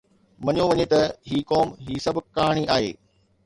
مڃيو وڃي ته هي قوم هي سڀ ڪهاڻي آهي